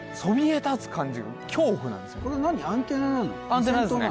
アンテナですね